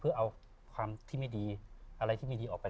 เพื่อเอาความที่ไม่ดีอะไรที่ไม่ดีออกไป